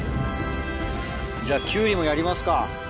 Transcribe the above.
じゃあ、キュウリもやりますか。